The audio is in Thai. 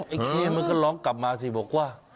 ไอ้เคมันก็ร้องกลับมาสิบอกว่า